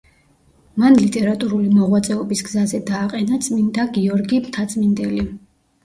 მან ლიტერატურული მოღვაწეობის გზაზე დააყენა წმიდა გიორგი მთაწმინდელი.